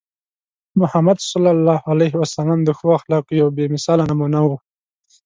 محمد صلى الله عليه وسلم د ښو اخلاقو یوه بې مثاله نمونه وو.